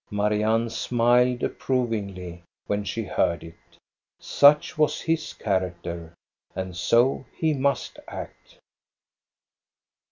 Marianne smiled approv ingly when she heard it : such was his character, and so he must act.